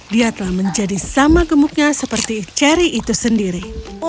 dia telah menjadi sama gemuknya seperti cherry itu sendiri